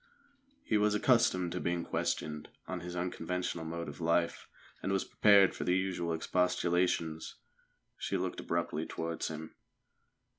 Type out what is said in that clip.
He was accustomed to being questioned on his unconventional mode of life, and was prepared for the usual expostulations. She looked abruptly towards him.